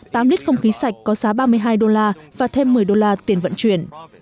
tám lít không khí sạch có giá ba mươi hai đô la và thêm một mươi đô la tiền vận chuyển